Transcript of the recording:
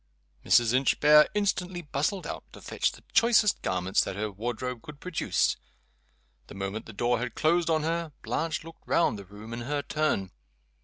Mrs. Inchbare instantly bustled out to fetch the choicest garments that her wardrobe could produce. The moment the door had closed on her Blanche looked round the room in her turn.